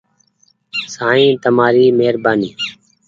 سائين تمآري مهربآني ۔